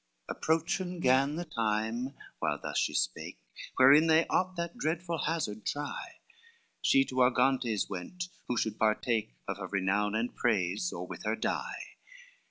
XLII Approachen gan the time, while thus she spake, Wherein they ought that dreadful hazard try; She to Argantes went, who should partake Of her renown and praise, or with her die.